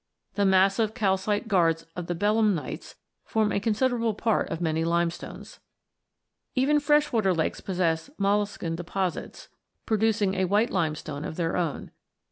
The massive calcite guards of the belemnites form a considerable part of many lime.stones. Even freshwater lakes possess molluscan deposits, producing a white limestone of their own.